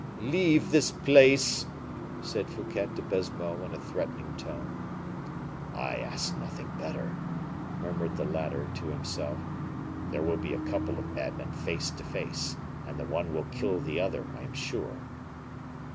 "Leave this place," said Fouquet to Baisemeaux, in a threatening tone. "I ask nothing better," murmured the latter, to himself. "There will be a couple of madmen face to face, and the one will kill the other, I am sure."